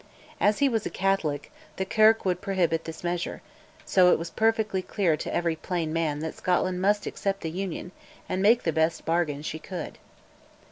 As he was a Catholic, the Kirk would prohibit this measure, so it was perfectly clear to every plain man that Scotland must accept the Union and make the best bargain she could.